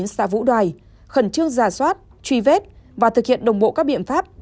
xã vũ đoài khẩn trương giả soát truy vết và thực hiện đồng bộ các biện pháp